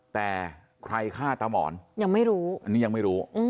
แต่ใครฆ่าตำอร์นยังไม่รู้